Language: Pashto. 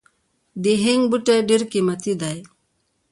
د هنګ بوټی ډیر قیمتي دی